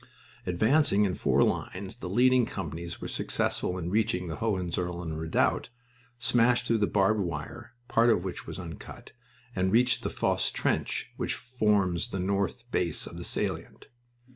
Advancing in four lines, the leading companies were successful in reaching the Hohenzollern redoubt, smashed through the barbed wire, part of which was uncut, and reached the Fosse trench which forms the north base of the salient.